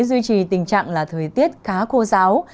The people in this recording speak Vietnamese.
duy trì tình trạng là thời tiết khá khô giáo